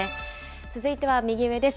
続いては右上です。